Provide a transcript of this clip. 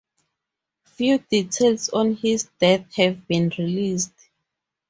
Few details on his death have been released.